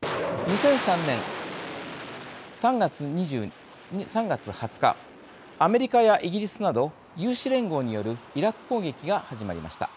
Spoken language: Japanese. ２００３年３月２０日アメリカやイギリスなど有志連合によるイラク攻撃が始まりました。